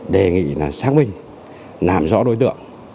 đề nghị xác minh làm rõ đối tượng